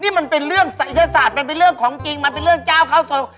นี่มันเป็นเรื่องแกษฐเป็นเรื่องของจริงมันเป็นเรื่องเจ้าเข้าสน